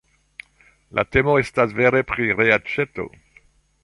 La temo estas vere pri reaĉeto!